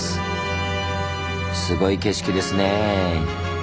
すごい景色ですね。